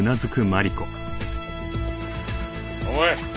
おい！